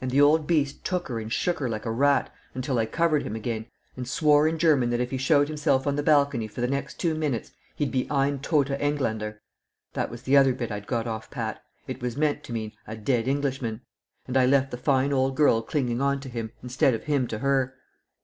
And the old beast took her and shook her like a rat, until I covered him again, and swore in German that if he showed himself on the balcony for the next two minutes he'd be ein toter Englander! That was the other bit I'd got off pat; it was meant to mean 'a dead Englishman.' And I left the fine old girl clinging on to him, instead of him to her!"